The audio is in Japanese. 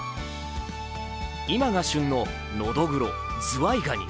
今が旬ののどぐろ、ズワイガニ。